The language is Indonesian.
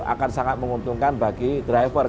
dan itu akan sangat menguntungkan bagi anggota koperasi